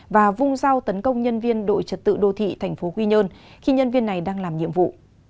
và vung dao tấn công nhân viên đội trật tự đô thị tp quy nhơn khi nhân viên này đang làm nhiệm vụ